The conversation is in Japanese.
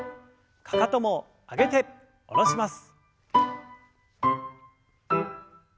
かかとも上げて下ろします。